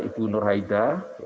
ibu nur haida